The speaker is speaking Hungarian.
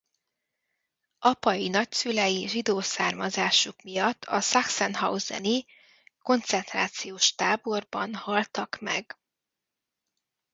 Apai nagyszülei zsidó származásuk miatt a Sachsenhausen-i koncentrációs táborban haltak meg.